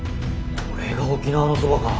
これが沖縄のそばか。